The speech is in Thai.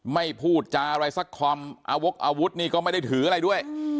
ไม่พูดจาอะไรสักคอมอาวกอาวุธนี่ก็ไม่ได้ถืออะไรด้วย